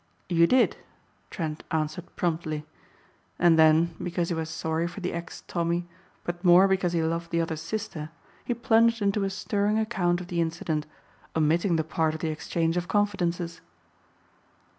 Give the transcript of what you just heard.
"You did," Trent answered promptly. And then, because he was sorry for the ex "Tommy" but more because he loved the other's sister, he plunged into a stirring account of the incident omitting the part of the exchange of confidences.